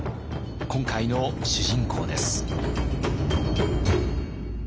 今回の主人公です。